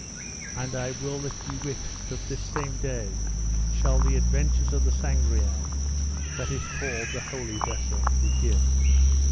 And I will that ye wit that this same day shall the adventures of the Sangreal, that is called the Holy Vessel, begin.